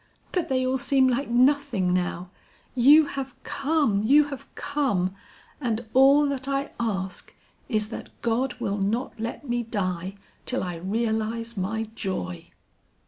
But they all seem like nothing now! You have come, you have come, and all that I ask, is that God will not let me die till I realize my joy!"